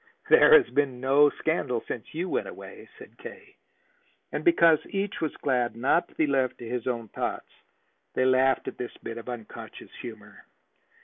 "There has been no scandal since you went away," said K. And, because each was glad not to be left to his own thoughts, they laughed at this bit of unconscious humor.